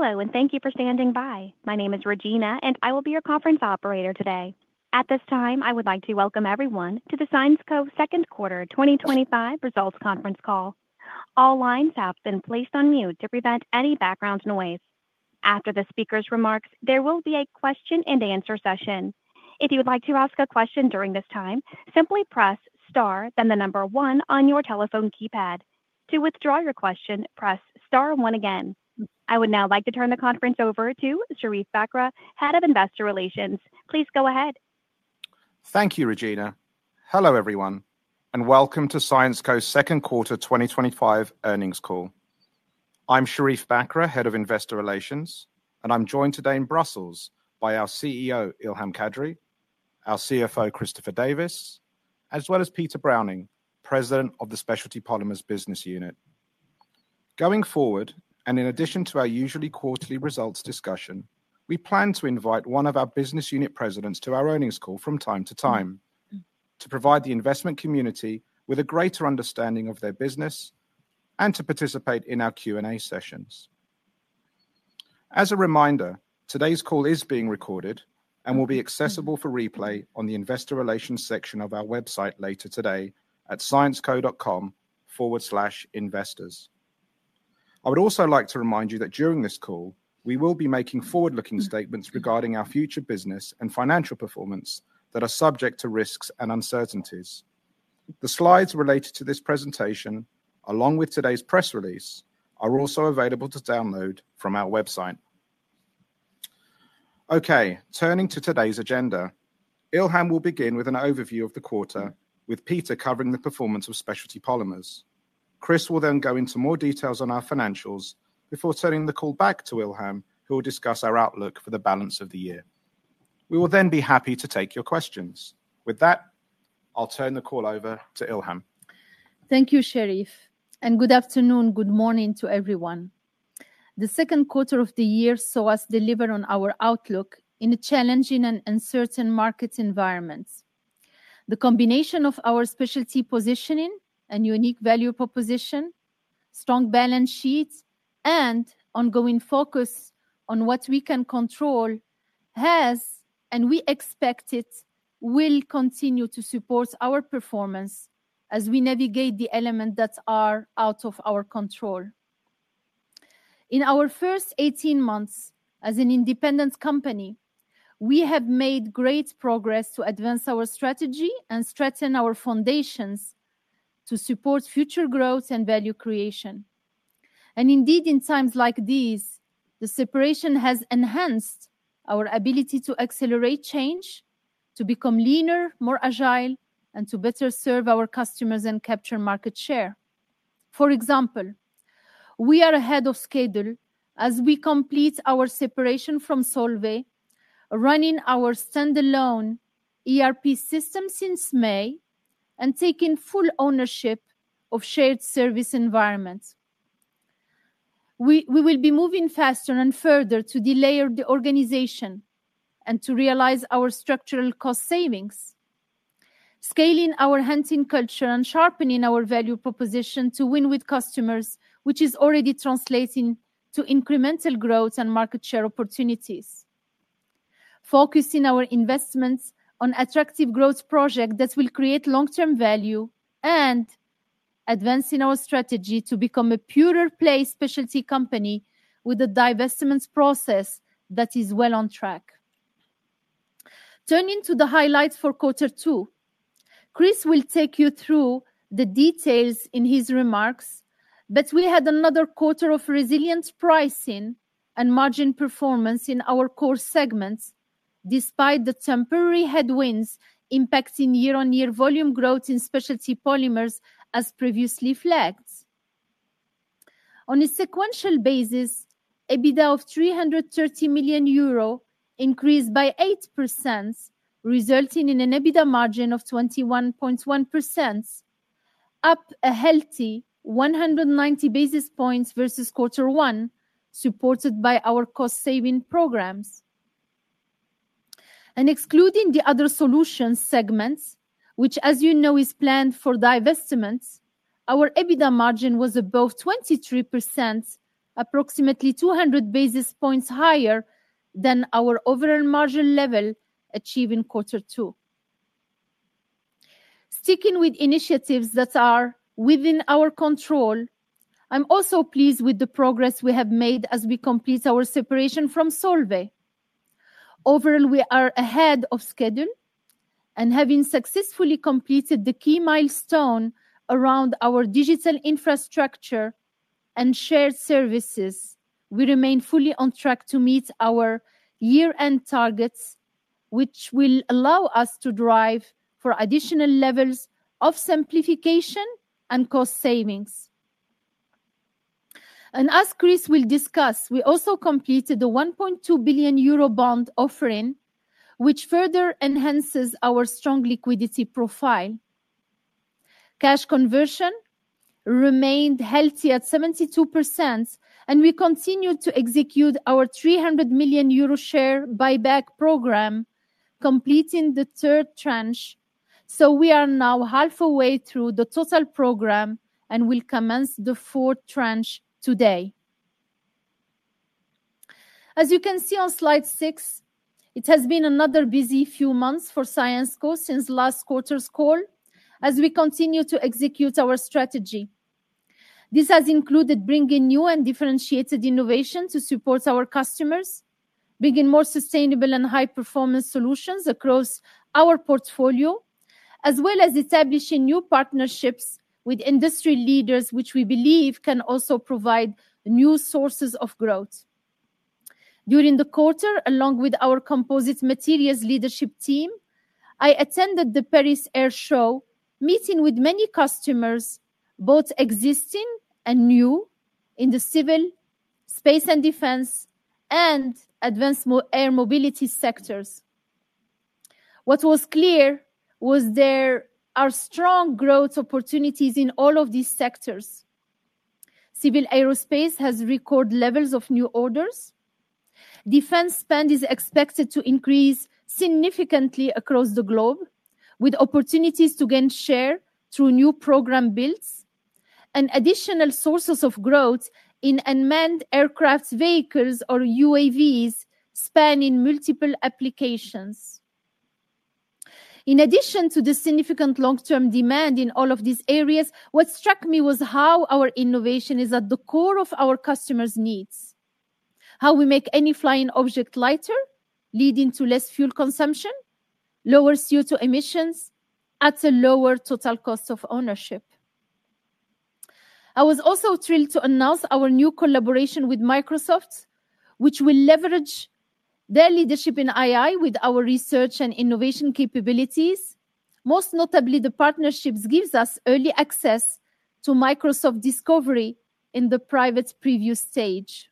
Hello and thank you for standing by. My name is Regina and I will be your conference operator today. At this time I would like to welcome everyone to the Syensqo Second Quarter 2025 Results Conference Call. All lines have been placed on mute to prevent any background noise. After the speaker's remarks, there will be a question and answer session. If you would like to ask a question during this time, simply press star then the number one on your telephone keypad. To withdraw your question, press star one again. I would now like to turn the conference over to Sherief Bakr, Head of Investor Relations. Please go ahead. Thank you, Regina. Hello everyone and welcome to Syensqo second quarter 2025 earnings call. I'm Sherief Bakr, Head of Investor Relations, and I'm joined today in Brussels by our CEO Ilham Kadri, our CFO Christopher Davis, as well as Peter Browning, President of the Specialty Polymers business unit. Going forward, and in addition to our usual quarterly results discussion, we plan to invite one of our business unit presidents to our earnings call from time to time to provide the investment community with a greater understanding of their business and to participate in our Q&A sessions. As a reminder, today's call is being recorded and will be accessible for replay on the Investor Relations section of our website later today at syensqo.com/investors. I would also like to remind you that during this call we will be making forward-looking statements regarding our future business and financial performance that are subject to risks and uncertainties. The slides related to this presentation along with today's press release are also available to download from our website. Okay, turning to today's agenda, Ilham will begin with an overview of the quarter with Peter covering the performance of Specialty Polymers. Chris will then go into more details on our financials before turning the call back to Ilham, who will discuss our outlook for the balance of the year. We will then be happy to take your questions. With that, I'll turn the call over to Ilham. Thank you Sherief and good afternoon. Good morning to everyone. The second quarter of the year saw us deliver on our outlook in a challenging and uncertain market environment. The combination of our specialty positioning and unique value proposition, strong balance sheet, and ongoing focus on what we can control has, and we expect it will continue to, support our performance as we navigate the elements that are out of our control. In our first 18 months as an independent company, we have made great progress to advance our strategy and strengthen our foundations to support future growth and value creation. In times like these, the separation has enhanced our ability to accelerate change to become leaner, more agile, and to better serve our customers and capture market share. For example, we are ahead of schedule as we complete our separation from Solvay, running our standalone ERP system since May and taking full ownership of shared service environments. We will be moving faster and further to delayer the organization and to realize our structural cost savings, scaling our hunting culture and sharpening our value proposition to win with customers, which is already translating to incremental growth and market share opportunities. Focusing our investments on attractive growth projects that will create long-term value and advancing our strategy to become a purer play specialty company with a divestment process that is well on track. Turning to the highlights for quarter two, Chris will take you through the details in his remarks, but we had another quarter of resilient pricing and margin performance in our core segments despite the temporary headwinds impacting year-on-year volume growth in Specialty Polymers. As previously flagged, on a sequential basis, EBITDA of 330 million euro increased by 8%, resulting in an EBITDA margin of 21.1%, up a healthy 190 basis points versus quarter one, supported by our cost saving programs. And. Excluding the Other Solutions segment, which as you know is planned for divestment, our EBITDA margin was above 23%, approximately 200 basis points higher than our overall margin level achieved in quarter two. Sticking with initiatives that are within our control, I'm also pleased with the progress we have made as we complete our separation from Solvay. Overall, we are ahead of schedule, and having successfully completed the key milestone around our standalone digital infrastructure and shared services, we remain fully on track to meet our year-end targets, which will allow us to drive for additional levels of simplification and cost savings. As Chris will discuss, we also completed the 1.2 billion euro bond issuance, which further enhances our strong liquidity profile. Cash conversion remained healthy at 72%, and we continue to execute our 300 million euro share buyback program, completing the third tranche. We are now halfway through the total program and will commence the fourth tranche today. As you can see on slide 6, it has been another busy few months for Syensqo since last quarter's call as we continue to execute our strategy. This has included bringing new and differentiated innovation to support our customers, bringing more sustainable and high-performance solutions across our portfolio, as well as establishing new partnerships with industry leaders, which we believe can also provide new sources of growth. During the quarter, along with our Composite Materials leadership team, I attended the Paris Air Show, meeting with many customers, both existing and new, in the civil S.p.A.ce and defense and advanced air mobility sectors. What was clear was there are strong growth opportunities in all of these sectors. Civil aeroS.p.A.ce has record levels of new orders. Defense spend is expected to increase significantly across the globe, with opportunities to gain share through new program builds and additional sources of growth in unmanned aircraft vehicles, or UAVs, S.p.A.nning multiple applications. In addition to the significant long-term demand in all of these areas, what struck me was how our innovation is at the core of our customers' needs, how we make any flying object lighter, leading to less fuel consumption, lower CO2 emissions at a lower total cost of ownership. I was also thrilled to announce our new collaboration with Microsoft, which will leverage their leadership in AI-driven innovation with our research and innovation capabilities. Most notably, the partnerships give us early access to Microsoft Discovery in the private preview stage.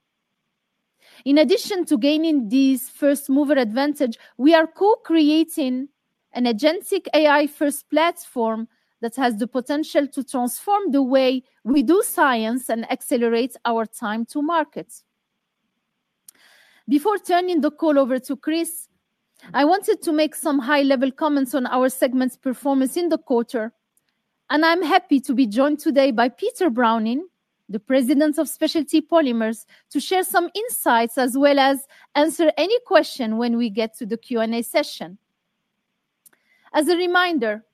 In addition to gaining these first mover advantages, we are co-creating an agentic AI-driven innovation first platform that has the potential to transform the way we do science and accelerate our time to market. Before turning the call over to Chris, I wanted to make some high-level comments on our segment's performance in the quarter and I'm happy to be joined today by Peter Browning, the President of Specialty Polymers, to share some insights as well as answer any questions when we get to the Q&A session. As a reminder,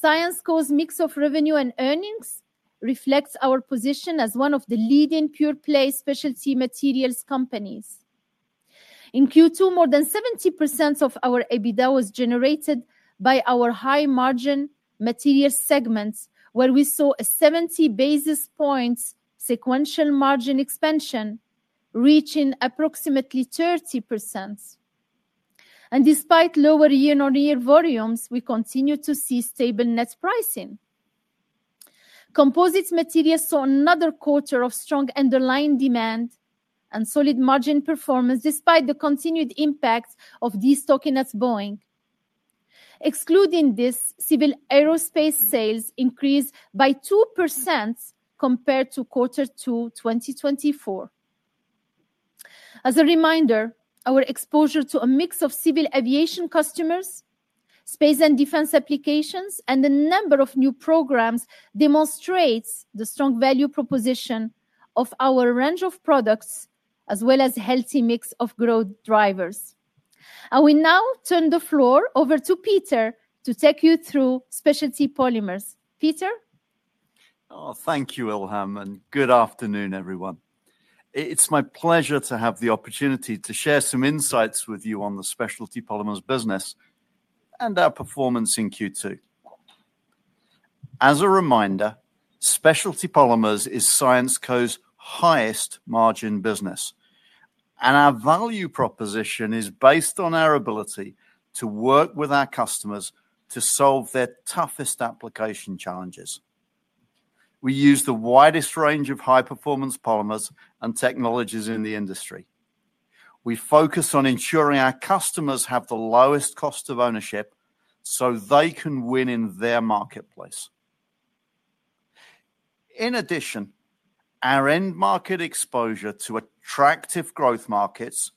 Syensqo's mix of revenue and earnings reflects our position as one of the leading pure-play specialty materials companies. In Q2, more than 70% of our EBITDA was generated by our high-margin material segments where we saw a 70 basis points sequential margin expansion, reaching approximately 30%, and despite lower year-on-year volumes, we continue to see stable net pricing. Composite Materials saw another quarter of strong underlying demand and solid margin performance despite the continued impact of destocking at Boeing. Excluding this, civil aeroS.p.A.ce sales increased by 2% compared to Q2 2024. As a reminder, our exposure to a mix of civil aviation customers, S.p.A.ce and defense applications, and a number of new programs demonstrates the strong value proposition of our range of products as well as a healthy mix of growth drivers. I will now turn the floor over to Peter to take you through Specialty Polymers. Thank you Ilham and good afternoon everyone. It's my pleasure to have the opportunity to share some insights with you on the Specialty Polymers business and our performance in Q2. As a reminder, Specialty Polymers is Syensqo's highest margin business and our value proposition is based on our ability to work with our customers to solve their toughest application challenges. We use the widest range of high performance polymers and technologies in the industry. We focus on ensuring our customers have the lowest cost of ownership so they can win in their marketplace. In addition, our end market exposure to attractive growth markets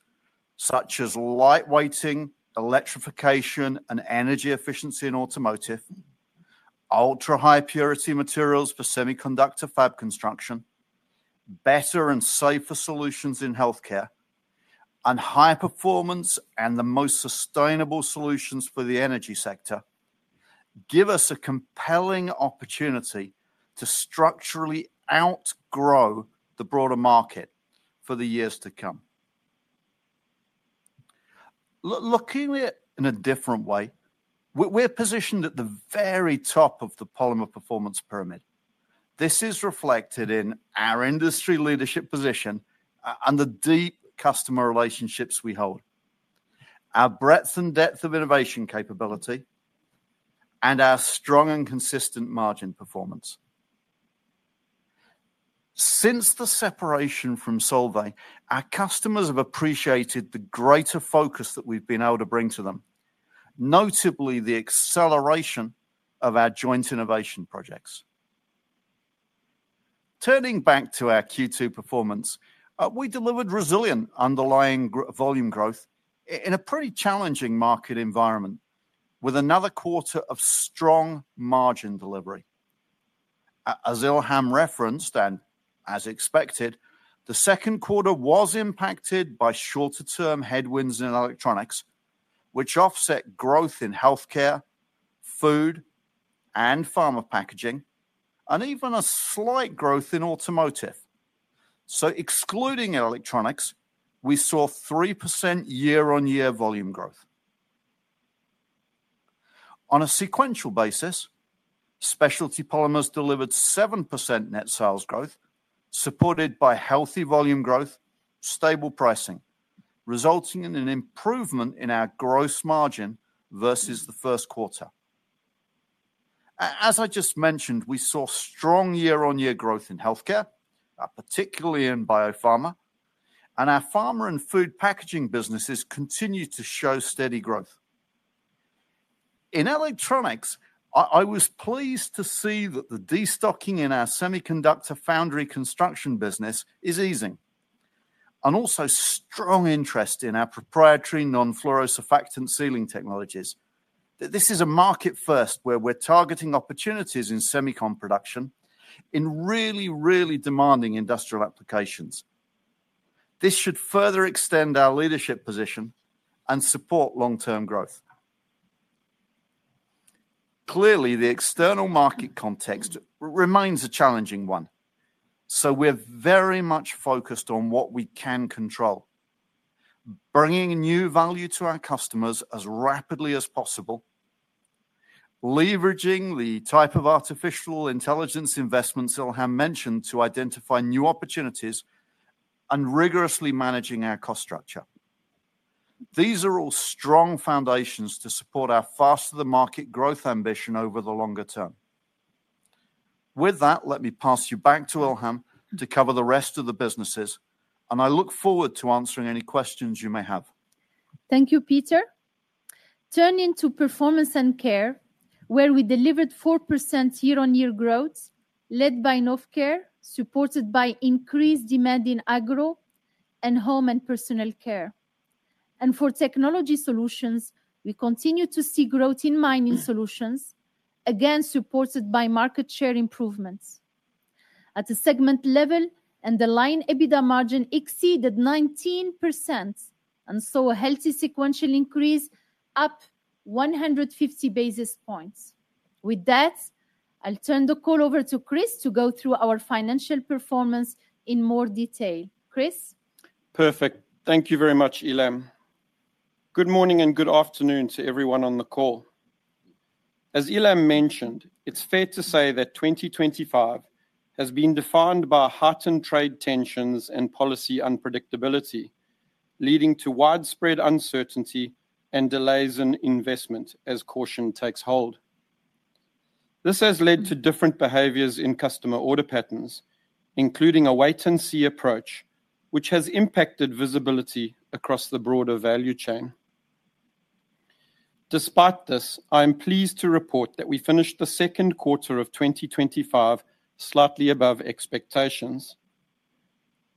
such as lightweighting, electrification and energy efficiency in automotive, ultra high purity materials for semiconductor fab construction, better and safer solutions in healthcare and high performance and the most sustainable solutions for the energy sector give us a compelling opportunity to structurally outgrow the broader market for the years to come. Looking at it in a different way, we're positioned at the very top of the polymer performance pyramid. This is reflected in our industry leadership position and the deep customer relationships we hold, our breadth and depth of innovation capability and our strong and consistent margin performance. Since the separation from Solvay, our customers have appreciated the greater focus that we've been able to bring to them, notably the acceleration of our joint innovation projects. Turning back to our Q2 performance, we delivered resilient underlying volume growth in a pretty challenging market environment with another quarter of strong margin delivery as Ilham referenced. As expected, the second quarter was impacted by shorter term headwinds in electronics which offset growth in healthcare, food and pharma packaging and even a slight growth in automotive. Excluding electronics, we saw 3% year-on-year volume growth on a sequential basis. Specialty Polymers delivered 7% net sales growth supported by healthy volume growth and stable pricing resulting in an improvement in our gross margin versus the first quarter. As I just mentioned, we saw strong year-on-year growth in healthcare, particularly in biopharma, and our pharma and food packaging businesses continue to show steady growth in electronics. I was pleased to see that the destocking in our semiconductor foundry construction business is easing, and also strong interest in our proprietary non-fluorosurfactant sealing technologies. This is a market first where we're targeting opportunities in semicon production in really, really demanding industrial applications. This should further extend our leadership position and support long-term growth. Clearly, the external market context remains a challenging one, so we're very much focused on what we can control, bringing new value to our customers as rapidly as possible, leveraging the type of artificial intelligence investments Ilham mentioned to identify new opportunities, and rigorously managing our cost structure. These are all strong foundations to support our faster-to-market growth ambition over the longer term. With that, let me pass you back to Ilham to cover the rest of the businesses, and I look forward to answering any questions you may have. Thank you, Peter. Turning to Performance and Care, where we delivered 4% year-on-year growth led by Novecare, supported by increased demand in agro and home and personal care. For Technology Solutions, we continue to see growth in mining solutions, again supported by market share improvements at the segment level. The line EBITDA margin exceeded 19% and saw a healthy sequential increase, up 150 basis points. With that, I'll turn the call over to Chris to go through our financial performance in more detail. Chris. Perfect. Thank you very much Ilham. Good morning and good afternoon to everyone on the call. As Ilham mentioned, it's fair to say that 2025 has been defined by heightened trade tensions and policy unpredictability, leading to widespread uncertainty and delays in investment as caution takes hold. This has led to different behaviors in customer order patterns, including a wait and see approach which has impacted visibility across the broader value chain. Despite this, I am pleased to report that we finished the second quarter of 2025 slightly above expectations.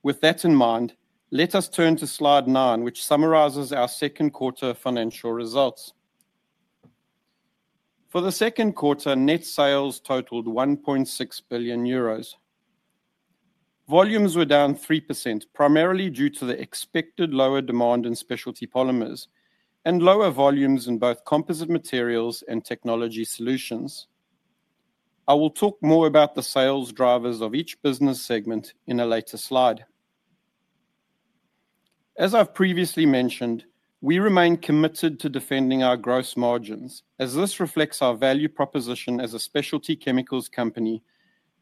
With that in mind, let us turn to slide 9 which summarizes our second quarter financial results. For the second quarter, net sales totaled 1.6 billion euros. Volumes were down 3%, primarily due to the expected lower demand in Specialty Polymers and lower volumes in both Composite Materials and Technology Solutions. I will talk more about the sales drivers of each business segment in a later slide. As I've previously mentioned, we remain committed to defending our gross margins as this reflects our value proposition as a specialty chemicals company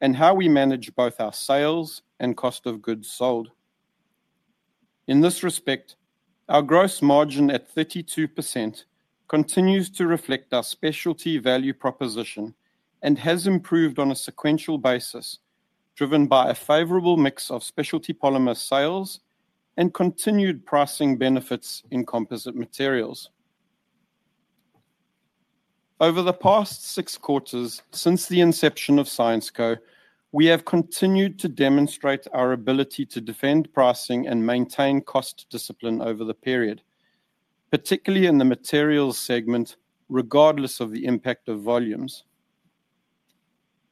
and how we manage both our sales and cost of goods sold. In this respect, our gross margin at 32% continues to reflect our specialty value proposition and has improved on a sequential basis driven by a favorable mix of Specialty Polymers sales and continued pricing benefits in Composite Materials over the past six quarters. Since the inception of Syensqo, we have continued to demonstrate our ability to defend pricing and maintain cost discipline over the period, particularly in the materials segment. Regardless of the impact of volumes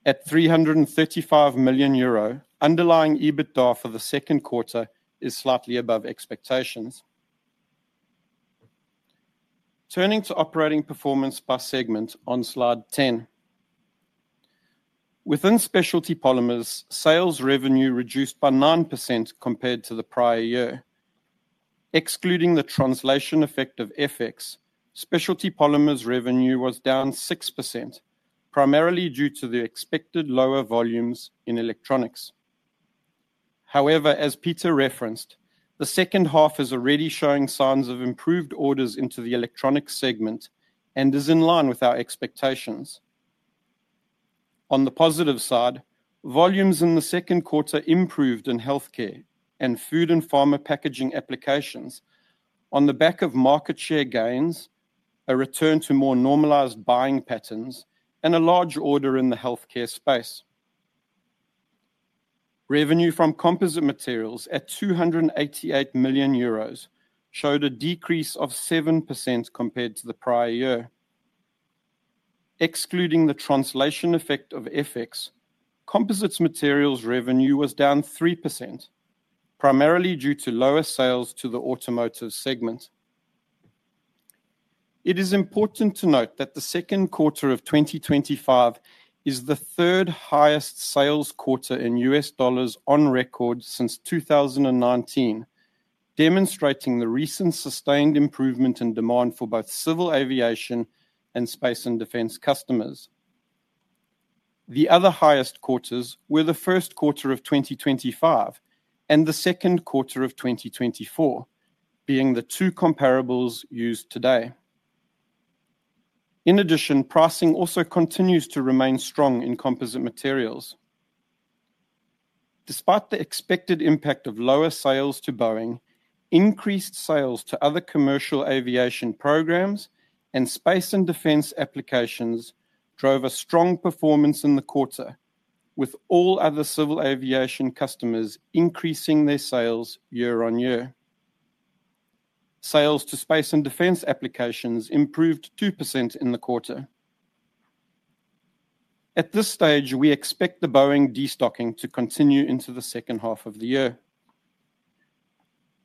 at 335 million euro, underlying EBITDA for the second quarter is slightly above expectations. Turning to operating performance by segment on slide 10, within Specialty Polymers, sales revenue reduced by 9% compared to the prior year. Excluding the translation effect of FX, Specialty Polymers revenue was down 6% primarily due to the expected lower volumes in electronics. However, as Peter referenced, the second half is already showing signs of improved orders into the electronics segment and is in line with our expectations. On the positive side, volumes in the second quarter improved in healthcare and food and pharma packaging applications on the back of market share gains, a return to more normalized buying patterns and a large order in the healthcare S.p.A.ce. Revenue from composite materials at 288 million euros showed a decrease of 7% compared to the prior year. Excluding the translation effect of FX, composite materials revenue was down 3% primarily due to lower sales to the automotive segment. It is important to note that the second quarter of 2025 is the third highest sales quarter in U.S. dollars on record since 2019, demonstrating the recent sustained improvement in demand for both civil aeroS.p.A.ce and S.p.A.ce and defense customers. The other highest quarters were the first quarter of 2025 and the second quarter of 2024, being the two comparables used today. In addition, pricing also continues to remain strong in composite materials despite the expected impact of lower sales to Boeing. Increased sales to other commercial aviation programs and S.p.A.ce and defense applications drove a strong performance in the quarter, with all other civil aeroS.p.A.ce customers increasing their sales year on year. Sales to S.p.A.ce and defense applications improved 2% in the quarter. At this stage, we expect the Boeing destocking to continue into the second half of the year.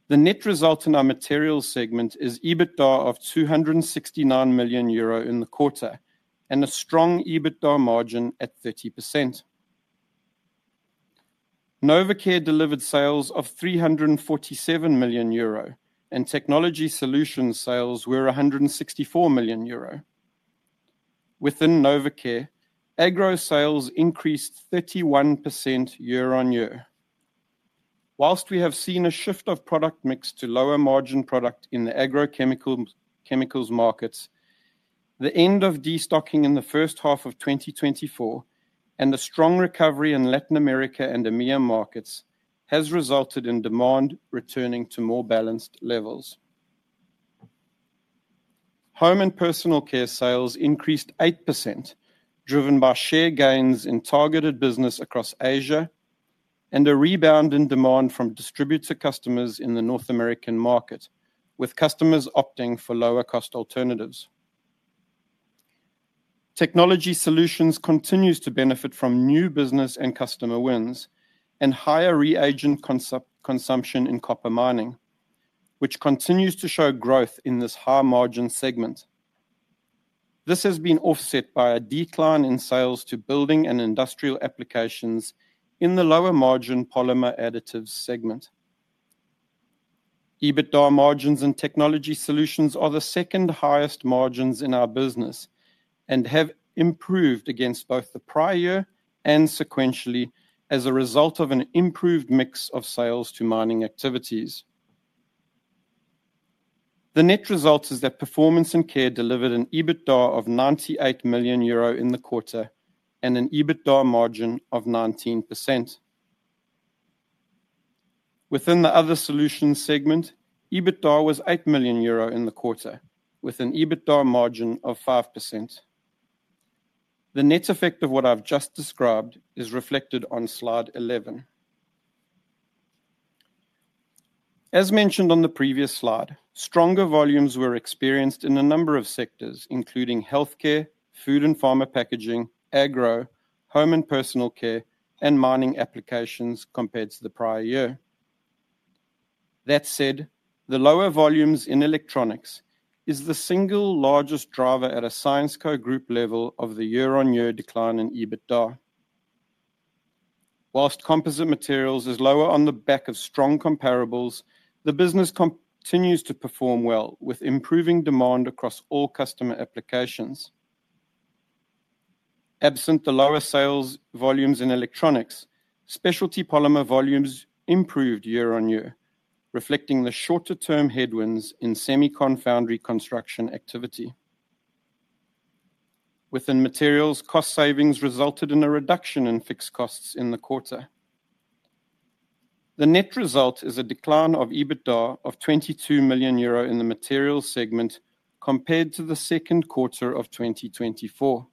The net result in our materials segment is EBITDA of 269 million euro in the quarter and a strong EBITDA margin at 30%. Novecare delivered sales of 347 million euro and Technology Solutions sales were 164 million euro. Within Novecare, agro sales increased 31% year-on-year. Whilst we have seen a shift of product mix to lower margin product in the agrochemicals markets, the end of destocking in the first half of 2024 and the strong recovery in Latin America and EMEA markets has resulted in demand returning to more balanced levels. Home and personal care sales increased 8%, driven by share gains in targeted business across Asia and a rebound in demand from distributor customers in the North American market, with customers opting for lower cost alternatives. Technology Solutions continues to benefit from new business and customer wins and higher reagent consumption in copper mining, which continues to show growth in this high margin segment. This has been offset by a decline in sales to building and industrial applications in the lower margin polymer additives segment. EBITDA margins in Technology Solutions are the second highest margins in our business and have improved against both the prior year and sequentially as a result of an improved mix of sales to mining activities. The net result is that Performance and Care delivered an EBITDA of 98 million euro in the quarter and an EBITDA margin of 19% within the Other Solutions segment. EBITDA was 8 million euro in the quarter with an EBITDA margin of 5%. The net effect of what I've just described is reflected on slide 11. As mentioned on the previous slide, stronger volumes were experienced in a number of sectors including healthcare, food and pharma packaging, agro, home and personal care, and mining applications compared to the prior year. That said, the lower volumes in electronics is the single largest driver at a Syensqo Group level of the year-on-year decline in EBITDA. Whilst Composite Materials is lower on the back of strong comparables, the business continues to perform well with improving demand across all customer applications. Absent the lower sales volumes in electronics, Specialty Polymers volumes improved year on year, reflecting the shorter-term headwinds in semicon foundry construction activity within materials. Cost savings resulted in a reduction in fixed costs in the quarter. The net result is a decline of EBITDA of 22 million euro in the Materials segment compared to the second quarter of 2024.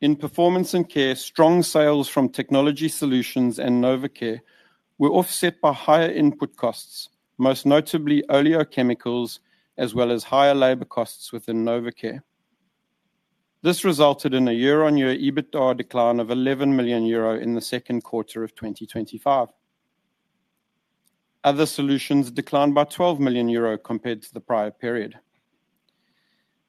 In Performance and Care, strong sales from Technology Solutions and Novecare were offset by higher input costs, most notably oleochemicals, as well as higher labor costs within Novecare. This resulted in a year-on-year EBITDA decline of 11 million euro in the second quarter of 2025. Other Solutions declined by 12 million euro compared to the prior period.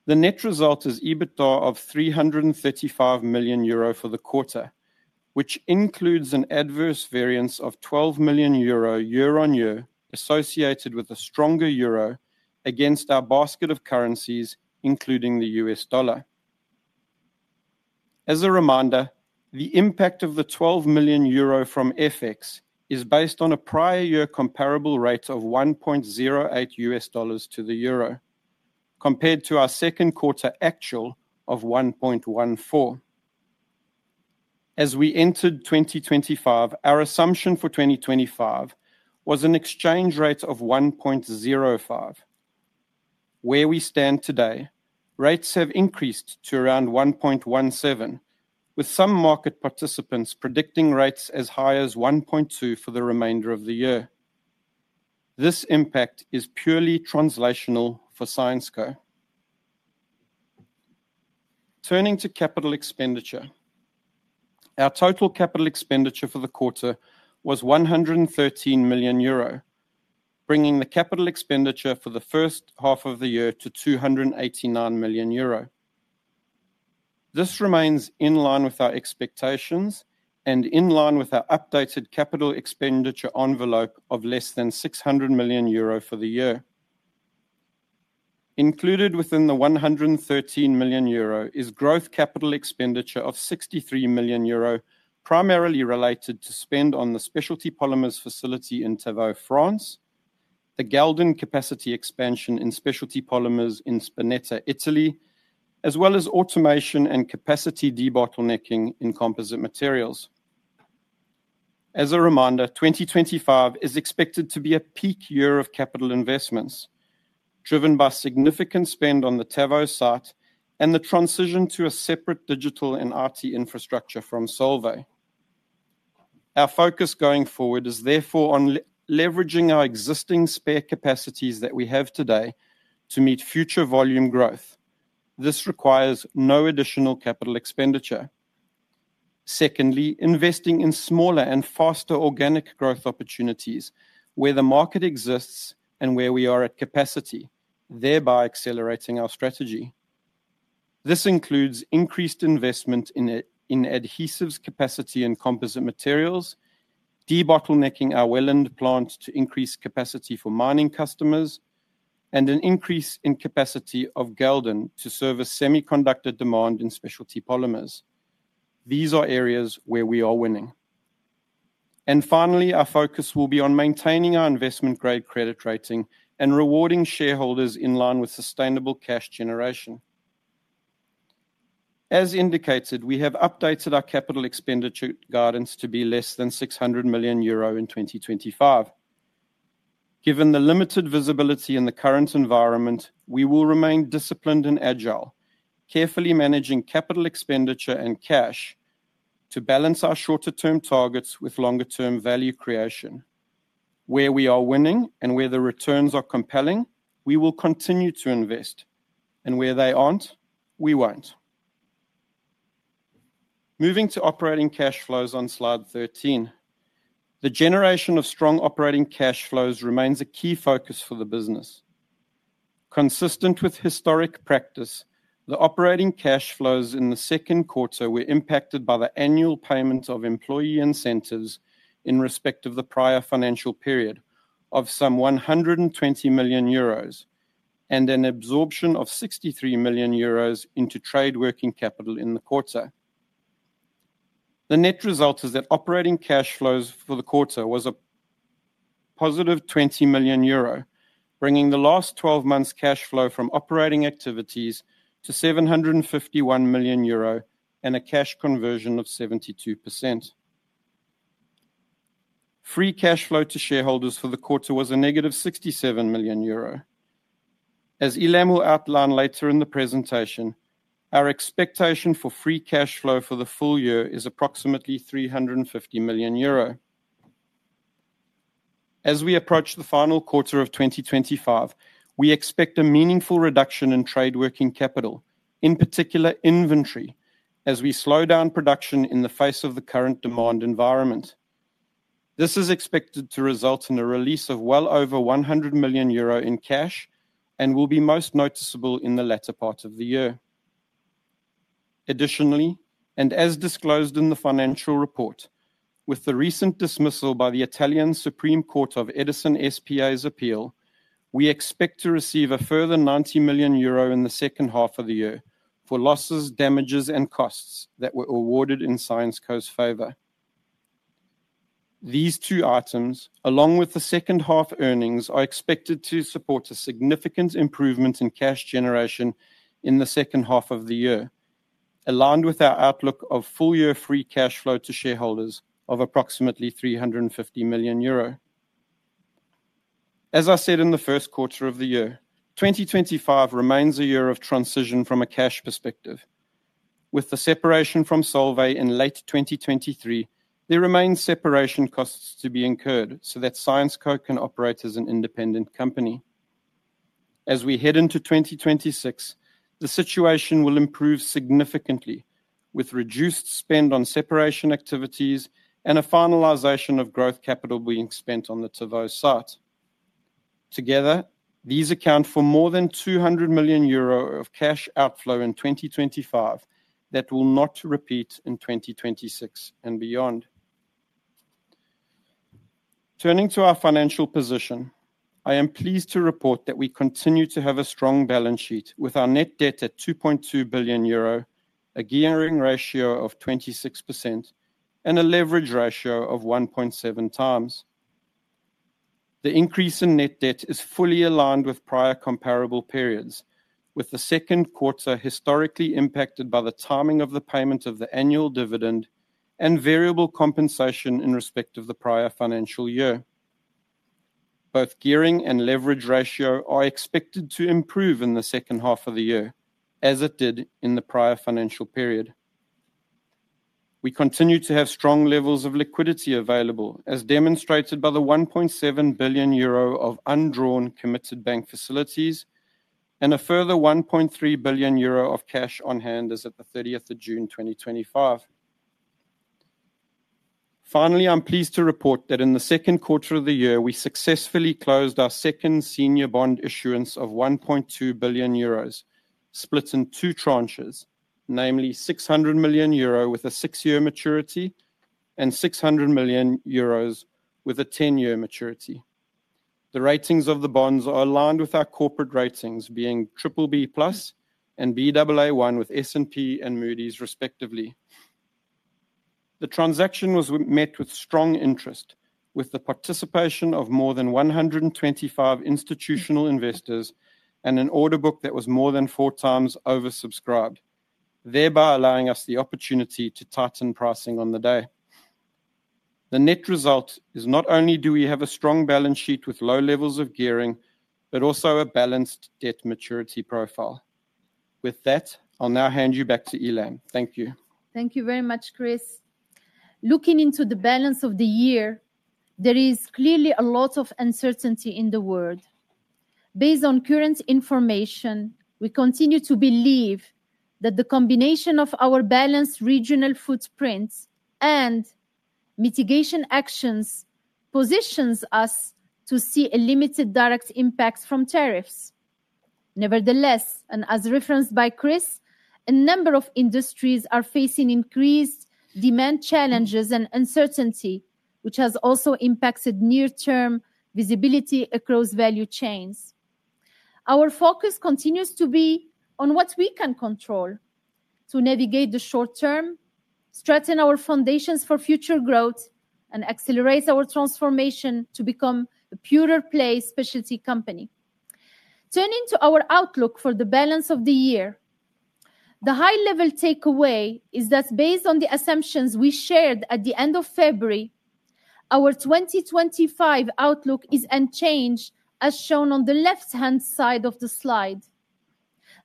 The net result is EBITDA of 335 million euro for the quarter, which includes an adverse variance of 12 million euro year-on-year associated with a stronger euro against our basket of currencies including the U.S. dollar. As a reminder, the impact of the 12 million euro from FX is based on a prior year comparable rate of $1.08 to the euro compared to our second quarter actual of 1.14. As we entered 2025, our assumption for 2025 was an exchange rate of 1.05. Where we stand today, rates have increased to around 1.17 with some market participants predicting rates as high as 1.2 for the remainder of the year. This impact is purely translational for Syensqo. Turning to capital expenditure, our total capital expenditure for the quarter was 113 million euro, bringing the capital expenditure for the first half of the year to 289 million euro. This remains in line with our expectations and in line with our updated capital expenditure envelope of less than 600 million euro for the year. Included within the 113 million euro is growth capital expenditure of 63 million euro primarily related to spend on the Specialty Polymers facility in Tavaux, France, the Galden capacity expansion in Specialty Polymers in Spinetta, Italy, as well as automation and capacity debottlenecking in Composite Materials. As a reminder, 2025 is expected to be a peak year of capital investments driven by significant spend on the Tavaux site and the transition to a separate digital and IT infrastructure from Solvay. Our focus going forward is therefore on leveraging our existing S.p.A.re capacities that we have today to meet future volume growth. This requires no additional capital expenditure. Secondly, investing in smaller and faster organic growth opportunities where the market exists and where we are at capacity, thereby accelerating our strategy. This includes increased investment in adhesives capacity and Composite Materials, debottlenecking our Welland plant to increase capacity for mining customers, and an increase in capacity of Galden to service semiconductor demand in Specialty Polymers. These are areas where we are winning and finally our focus will be on maintaining our investment grade credit rating and rewarding shareholders in line with sustainable cash generation. As indicated, we have updated our capital expenditure guidance to be less than 600 million euro in 2025. Given the limited visibility in the current environment, we will remain disciplined and agile, carefully managing capital expenditure and cash to balance our shorter term targets with longer term value creation. Where we are winning and where the returns are compelling, we will continue to invest and where they aren't, we won't. Moving to operating cash flows on slide 13, the generation of strong operating cash flows remains a key focus for the business. Consistent with historic practice, the operating cash flows in the second quarter were impacted by the annual payments of employee incentives in respect of the prior financial period of some 120 million euros and an absorption of 63 million euros into trade working capital in the quarter. The net result is that operating cash flows for the quarter was a positive 20 million euro, bringing the last 12 months cash flow from operating activities to 751 million euro and a cash conversion of 72%. Free cash flow to shareholders for the quarter was a -67 million euro. As Ilham will outline later in the presentation, our expectation for free cash flow for the full year is approximately 350 million euro. As we approach the final quarter of 2025, we expect a meaningful reduction in trade working capital, in particular inventory as we slow down production in the face of the current demand environment. This is expected to result in a release of well over 100 million euro in cash and will be most noticeable in the latter part of the year. Additionally, and as disclosed in the financial report with the recent dismissal by the Italian Supreme Court of Edison S.p.A.'s appeal, we expect to receive a further 90 million euro in the second half of the year for losses, damages, and costs that were awarded in Syensqo's favor. These two items along with the second half earnings are expected to support a significant improvement in cash generation in the second half of the year, aligned with our outlook of full year free cash flow to shareholders of approximately 350 million euro. As I said in the first quarter of the year, 2025 remains a year of transition from a cash perspective. With the separation from Solvay in late 2023, there remain separation costs to be incurred so that Syensqo can operate as an independent company. As we head into 2026, the situation will improve significantly with reduced spend on separation activities and a finalization of growth capital being spent on the Tavaux site. Together these account for more than 200 million euro of cash outflow in 2025 that will not repeat in 2026 and beyond. Turning to our financial position, I am pleased to report that we continue to have a strong balance sheet with our net debt at 2.2 billion euro, a gearing ratio of 26%, and a leverage ratio of 1.7x. The increase in net debt is fully aligned with prior comparable periods with the second quarter historically impacted by the timing of the payment of the annual dividend and variable compensation in respect of the prior financial year. Both gearing and leverage ratio are expected to improve in the second half of the year as it did in the prior financial period. We continue to have strong levels of liquidity available as demonstrated by the 1.7 billion euro of undrawn committed bank facilities and a further 1.3 billion euro of cash on hand as at 30 June 2025. Finally, I'm pleased to report that in the second quarter of the year we successfully closed our second senior bond issuance of 1.2 billion euros split in two tranches, namely 600 million euro with a six-year maturity and 600 million euros with a ten-year maturity. The ratings of the bonds are aligned with our corporate ratings, being BBB and Baa1 with S&P and Moody's respectively. The transaction was met with strong interest, with the participation of more than 125 institutional investors and an order book that was more than four times oversubscribed, thereby allowing us the opportunity to tighten pricing on the day. The net result is not only do we have a strong balance sheet with low levels of gearing, but also a balanced debt maturity profile. With that, I'll now hand you back to Ilham. Thank you. Thank you very much, Chris. Looking into the balance of the year, there is clearly a lot of uncertainty in the world. Based on current information, we continue to believe that the combination of our balanced regional footprint and mitigation actions positions us to see a limited direct impact from tariffs. Nevertheless, as referenced by Chris, a number of industries are facing increased demand challenges and uncertainty, which has also impacted near-term visibility across value chains. Our focus continues to be on what we can control to navigate the short term, strengthen our foundations for future growth, and accelerate our transformation to become a purer play specialty company. Turning to our outlook for the balance of the year, the high-level takeaway is that based on the assumptions we shared at the end of February, our 2025 outlook is unchanged as shown on the left-hand side of the slide.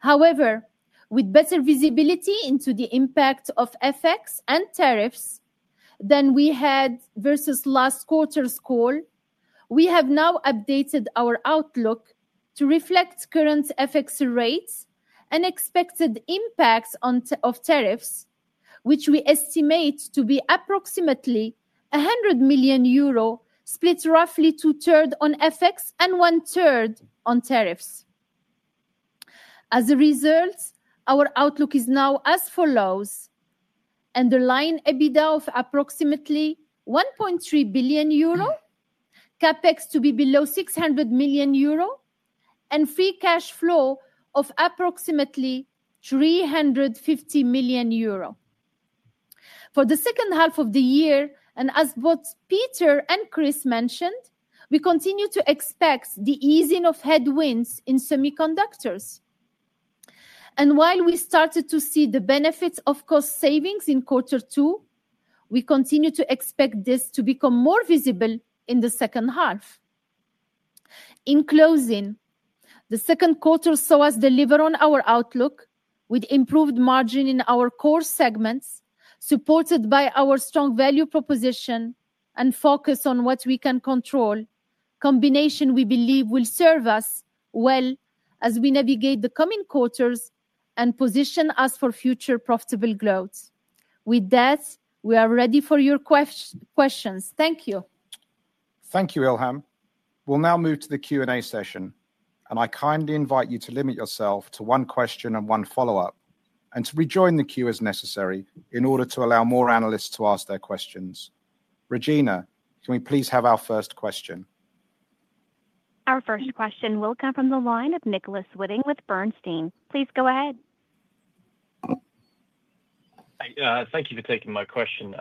However, with better visibility into the impact of FX and tariffs than we had versus last quarter's call, we have now updated our outlook to reflect current FX rates. Unexpected impacts of tariffs, which we estimate to be approximately 100 million euro split roughly two-thirds on FX and one-third on tariffs. As a result, our outlook is now as follows. Underlying EBITDA of approximately 1.3 billion euro, CapEx to be below 600 million euro, and free cash flow of approximately 350 million euro for the second half of the year. As both Peter and Chris mentioned, we continue to expect the easing of headwinds in semiconductors. While we started to see the benefits of cost savings in quarter two, we continue to expect this to become more visible in the second half. In closing, the second quarter saw us deliver on our outlook with improved margin in our core segments, supported by our strong value proposition and focus on what we can control, a combination we believe will serve us well as we navigate the coming quarters and position us for future profitable growth. With that, we are ready for your questions. Thank you. Thank you, Ilham. We'll now move to the Q and A session, and I kindly invite you to limit yourself to one question and one follow-up and to rejoin the queue as necessary in order to allow more analysts to ask their questions. Regina, can we please have our first question? Our first question will come from the line of Nicholas Whitting with Bernstein. Please go ahead. Thank you for taking my question.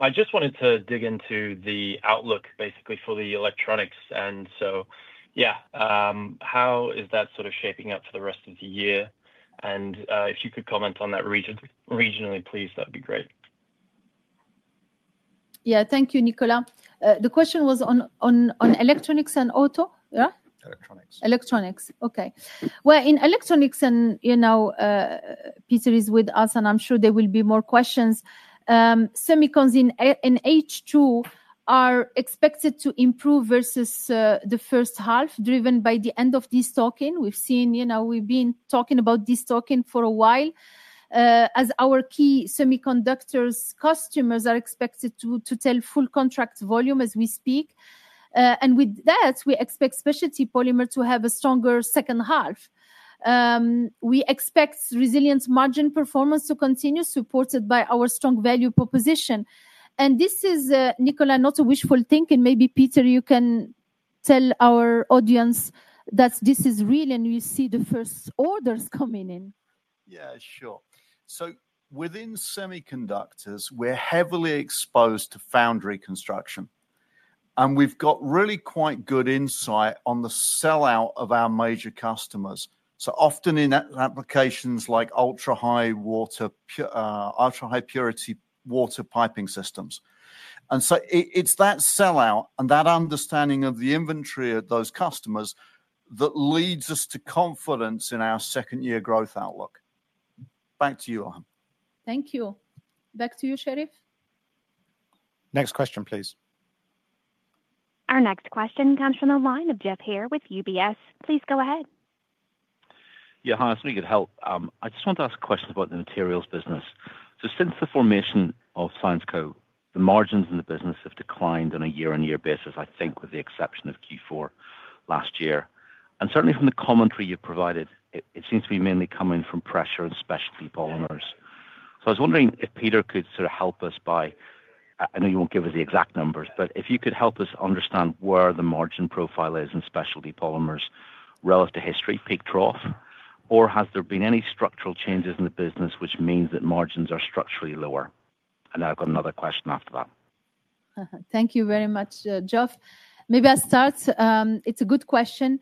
I just wanted to dig into the outlook basically for the electronics and how is that sort of shaping up for the rest of the year, and if you could comment on that regionally please, that'd be great. Yeah, thank you, Nicola. The question was on electronics and auto. Yeah' Electronics. Electronics. Okay, in electronics, and you know, Peter is with us and I'm sure there will be more questions. Semicons in H2 are expected to improve versus the first half, driven by the end of destocking we've seen. You know, we've been talking about destocking for a while as our key semiconductors customers are expected to take full contract volume as we speak. With that, we expect Specialty Polymers to have a stronger second half. We expect resilience margin performance to continue, supported by our strong value proposition. This is Nicola, not a wishful thinking. Maybe Peter, you can tell our audience that this is real and you see the first orders coming in. Yeah, sure. Within semiconductors we're heavily exposed to foundry construction, and we've got really quite good insight on the sellout of our major customers, so often in applications like ultra high purity water piping systems. It's that sellout and that understanding of the inventory of those customers that leads us to confidence in our second year growth outlook. Back to you. Ilham. Thank you. Back to you, Sherief. Next question, please. Our next question comes from the line of Geoff Haire with UBS. Please go ahead. Yeah, hi. It's really good help. I just want to ask a question about the materials business. Since the formation of Syensqo, the margins in the business have declined on a year-on-year basis, I think with the exception of Q4 last year. Certainly from the commentary you've provided, it seems to be mainly coming from pressure in specialty polymers. I was wondering if Peter could sort of help us by, I know you won't give us the exact numbers, but if you could help us understand where the margin profile is in specialty polymers relative to history, peak, trough, or has there been any structural changes in the business which means that margins are structurally lower. I've got another question after that. Thank you very much, Geoff, maybe I'll start. It's a good question.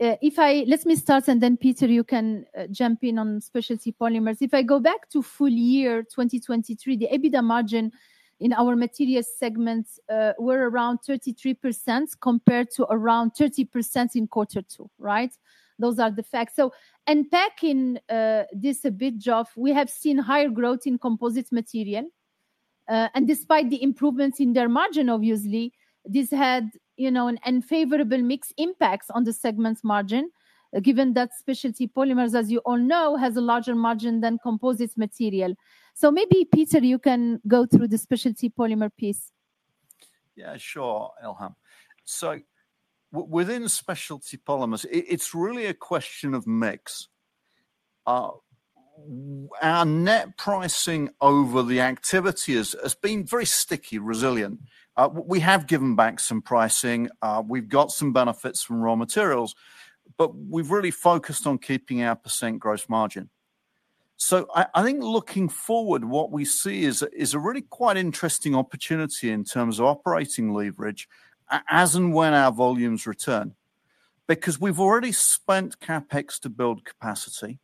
Let me start and then Peter, you can jump in on Specialty Polymers. If I go back to full year 2023, the EBITDA margin in our material segments were around 33% compared to around 30% in quarter 2. Right. Those are the facts. Unpacking this a bit, Geoff, we have seen higher growth in Composite Materials and despite the improvements in their margin, obviously this had an unfavorable mixed impact on the segment's margin given that Specialty Polymers, as you all know, has a larger margin than Composite Materials. Maybe Peter, you can go through the Specialty Polymers piece. Yeah, sure Ilham. Within Specialty Polymers, it's really a question of mix. Our net pricing over the activity has been very sticky, resilient. We have given back some pricing, we've got some benefits from raw materials, but we've really focused on keeping our percent gross margin. I think looking forward, what we see is a really quite interesting opportunity in terms of operating leverage as and when our volumes return, because we've already spent CapEx to build capacity.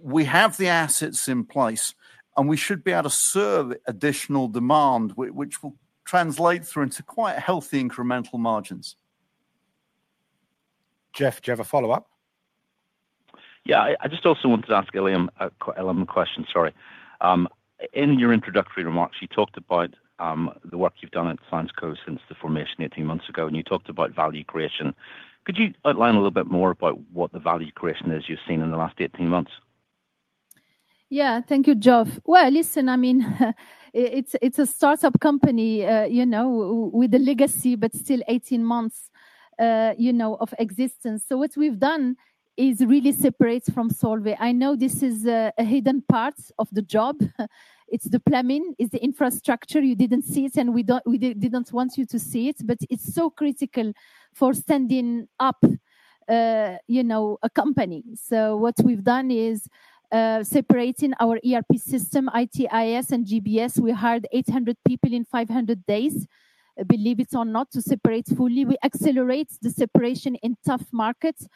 We have the assets in place and we should be able to serve additional demand, which will translate through into quite healthy incremental margins. Geoff, do you have a follow-up? I just also wanted to ask a question. Sorry. In your introductory remarks you talked about the work you've done at Syensqo since the formation 18 months ago and you talked about value creation. Could you outline a little bit more about what the value creation is you've seen in the last 18 months? Thank you, Geoff. I mean it's a startup company, you know, with the legacy, but still 18 months, you know, of existence. What we've done is really separate from Solvay. I know this is a hidden part of the job. It's the plumbing, it's the infrastructure. You didn't see it and we didn't want you to see it. It's so critical for standing up, you know, a company. What we've done is separating our ERP system, IT, IS, and GBS. We hired 800 people in 500 days, believe it or not, to separate fully. We accelerate the separation in tough markets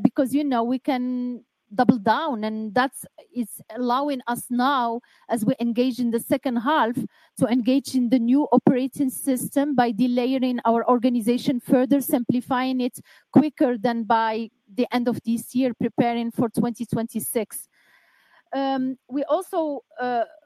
because you know, we can double down and that is allowing us now, as we engage in the second half, to engage in the new operating system by delaying our organization further, simplifying it quicker than by the end of this year, preparing for 2026. We also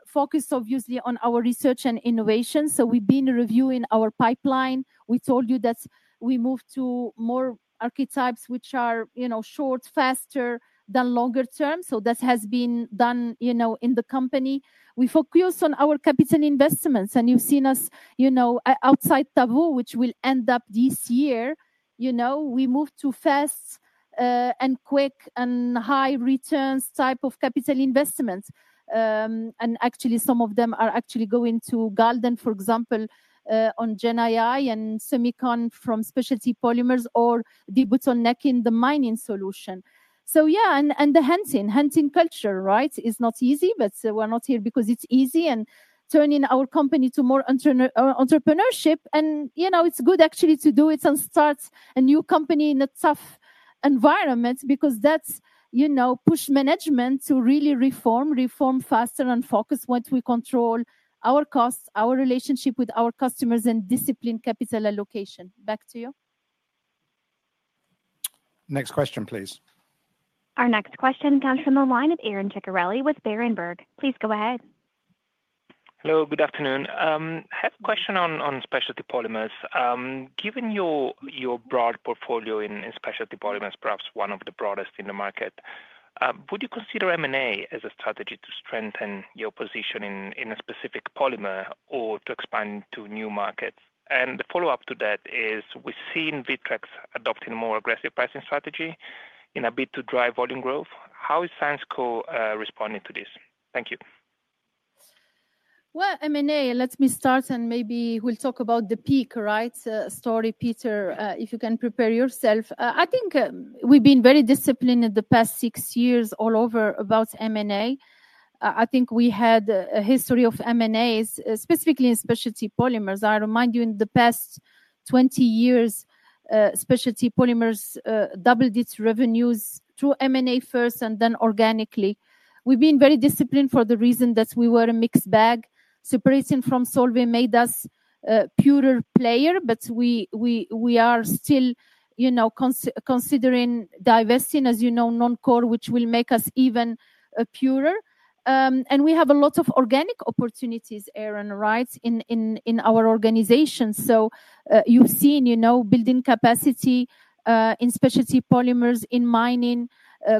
focus obviously on our research and innovation. We've been reviewing our pipeline. We told you that we moved to more archetypes which are, you know, short, faster than longer term. This has been done, you know, in the company. We focus on our capital investments and you've seen us, you know, outside Tavaux, which will end up this year. We move to fast and quick and high returns type of capital investment and actually some of them are actually going to Galden, for example, on GenAI and semicon from specialty polymers or the bottleneck in the mining solution. The hunting, hunting culture, right, is not easy. We're not here because it's easy and turning our company to more entrepreneurship and you know, it's good actually to do it and start a new company in a tough environment because that, you know, pushes management to really reform, reform faster and focus once we control our costs, our relationship with our customers, and discipline capital allocation. Back to you. Next question, please. Our next question comes from the line of Aron Ceccarelli with Berenberg. Please go ahead. Hello, good afternoon. Have a question on specialty polymers. Given your broad portfolio in specialty polymers, perhaps one of the broadest in the market, would you consider M&A as a strategy to strengthen your position in a specific polymer or to expand to new markets? The follow up to that is we've seen Victrex adopting more aggressive pricing strategy in a bid to drive volume growth. How is Syensqo responding to this? Thank you. M&A, let me start and maybe we'll talk about the PEEK. Right. Peter, if you can prepare yourself. I think we've been very disciplined in the past year, six years, all over about M&A. I think we had a history of M&As specifically in Specialty Polymers. I remind you in the past 20 years Specialty Polymers doubled its revenues through M&A first and then organically. We've been very disciplined for the reason that we were a mixed bag. Separating from Solvay made us a purer player. We are still, you know, considering divesting, as you know, non-core, which will make us even purer. We have a lot of organic opportunities, Aron, right, in our organization. You've seen, you know, building capacity in Specialty Polymers, in mining,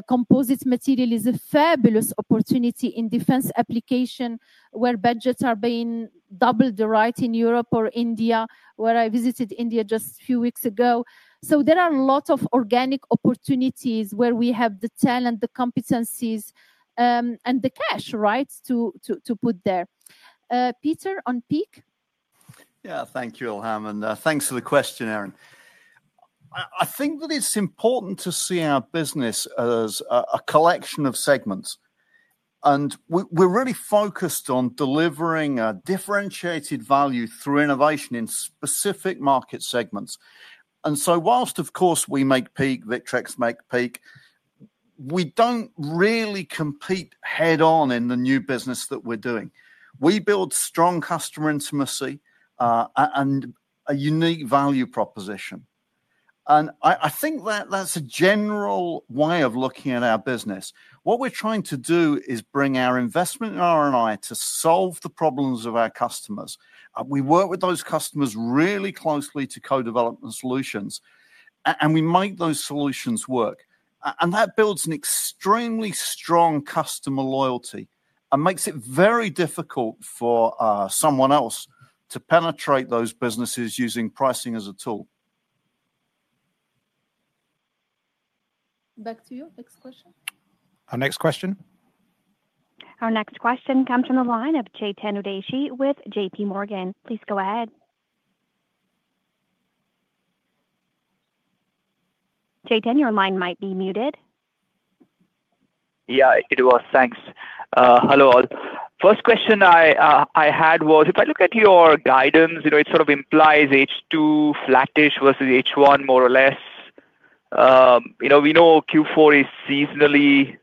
composite materials is a fabulous opportunity in defense application where budgets are being doubled, right, in Europe or India, where I visited India just a few weeks ago. There are a lot of organic opportunities where we have the talent, the competencies, and the cash, right, to put there. Peter on PEEK. Yeah. Thank you, Ilham, and thanks for the question, Aron. I think that it's important to see our business as a collection of segments, and we're really focused on delivering differentiated value through innovation in specific market segments. Whilst of course we make PEEK, Victrex make PEEK, we don't really compete head on in the new business that we're doing. We build strong customer intimacy and a unique value proposition. I think that's a general way of looking at our business. What we're trying to do is bring our investment in R&I to solve the problems of our customers. We work with those customers really closely to co-develop solutions, and we make those solutions work, and that builds an extremely strong customer loyalty and makes it very difficult for someone else to penetrate those businesses using pricing as a tool. Back to you, next question. Our next question. Our next question comes from the line of Chetan Udeshi with JPMorgan. Please go ahead. Chetan, your line might be muted. Yeah, it was. Thanks. Hello all. First question I had was if I look at your guidance, you know, it sort of implies H2 flattish versus H1 more or less. We know Q4 is seasonally,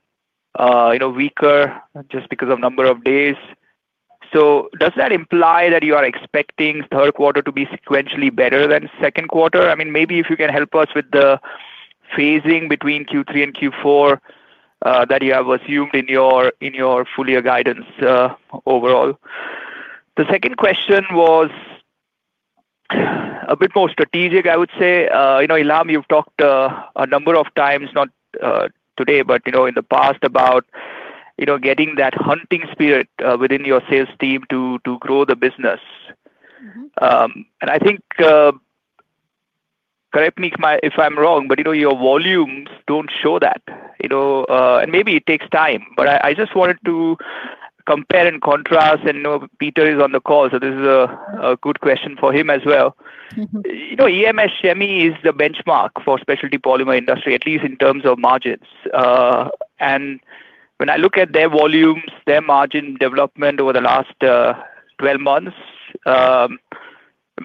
you know, weaker just because of number of days. Does that imply that you are expecting third quarter to be sequentially better than second quarter? Maybe if you can help us with the phasing between Q3 and Q4 that you have assumed in your full year guidance. Overall, the second question was a bit more strategic, I would say. Ilham, you've talked a number of times, not today, but you know, in the past about, you know, getting that hunting spirit within your sales team to grow the business. I think, correct me if I'm wrong, but you know, your volumes don't show that, you know, and maybe it takes time, but I just wanted to compare and contrast and know Peter is on the call, so this is a good question for him as well. You know, EMS-Chemie is the benchmark for specialty polymers industry, at least in terms of margins. When I look at their volumes, their margin development over the last 12 months,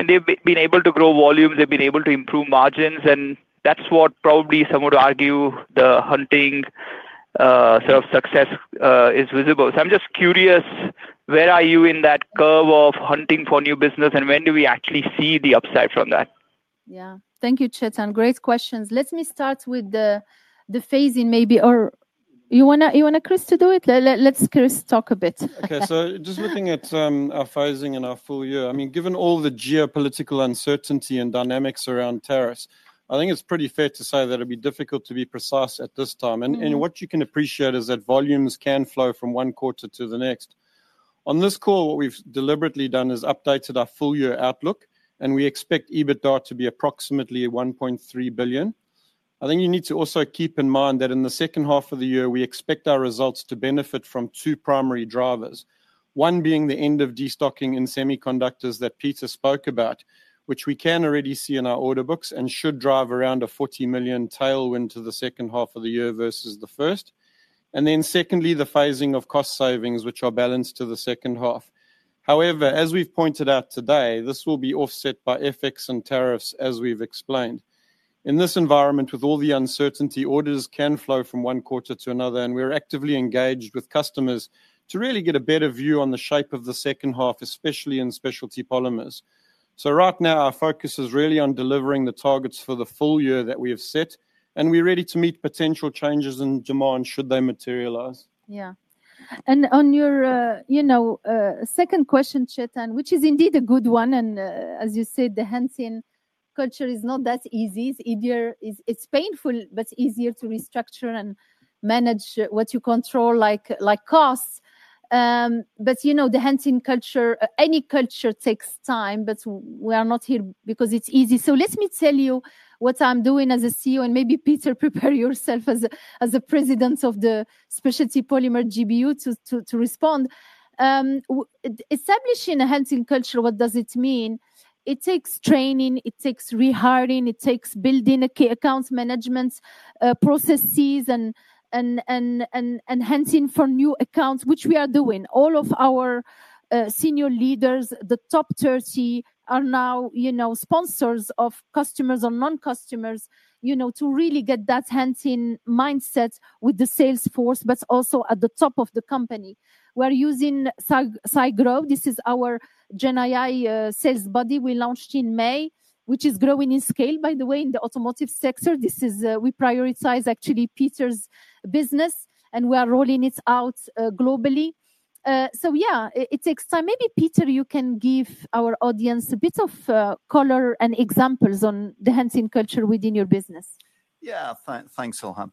they've been able to grow volumes, they've been able to improve margins, and that's what probably some would argue the hunting sort of success is visible. I'm just curious, where are you in that curve of hunting for new business and when do we actually see the upside from that? Yeah, thank you Chetan, great questions. Let me start with the phasing maybe, or you want Chris to do it? Let's Chris talk a bit. Okay. Just looking at our phasing and our full year, given all the geopolitical uncertainty and dynamics around tariffs, I think it's pretty fair to say that it'd be difficult to be precise at this time. What you can appreciate is that volumes can flow from one quarter to the next. On this call, what we've deliberately done is updated our full year outlook and we expect EBITDA to be approximately 1.3 billion. I think you need to also keep in mind that in the second half of the year, we expect our results to benefit from two primary drivers, one being the end of destocking in semiconductors that Peter spoke about, which we can already see in our order books and should drive around a 40 million tailwind to the second half of the year versus the first. Secondly, the phasing of cost savings, which are balanced to the second half. However, as we've pointed out today, this will be offset by FX and tariffs. As we've explained, in this environment, with all the uncertainty, orders can flow from one quarter to another and we're actively engaged with customers to really get a better view on the shape of the second half, especially in Specialty Polymers. Right now our focus is really on delivering the targets for the full year that we have set and we're ready to meet potential changes in demand should they materialize. Yeah. On your second question, Chetan, which is indeed a good one and as you said, the hands-in culture is not that easy. It's painful but easier to restructure and manage what you control like costs. You know the hunting culture, any culture takes time. We are not here because it's easy. Let me tell you what I'm doing as CEO and maybe Peter, prepare yourself as the President of the Specialty Polymers GBU to respond. Establishing a hands-in culture, what does it mean? It takes training, it takes rehiring, it takes building accounts management processes and enhancing for new accounts, which we are doing. All of our senior leaders, the top 30, are now sponsors of customers or non-customers to really get that hands-in mindset with the salesforce but also at the top of the company. We're using Syensqo. This is our GenAI sales bot we launched in May, which is growing in scale by the way in the automotive sector. We prioritize actually Peter's business and we are rolling it out globally. It takes time. Maybe Peter, you can give our audience a bit of color and examples on the hands-in culture within your business. Yeah, thanks Ilham.